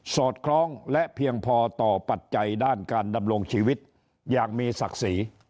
อดคล้องและเพียงพอต่อปัจจัยด้านการดำรงชีวิตอย่างมีศักดิ์ศรี